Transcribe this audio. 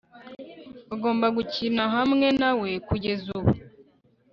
ugomba gukina hamwe na we kugeza ubu